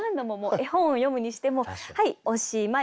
絵本を読むにしても「はいおしまい！」